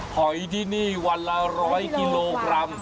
หอยที่นี่วันละ๑๐๐กิโลกรัม